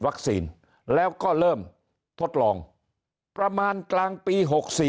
แล้วก็เริ่มทดลองประมาณกลางปี๖๔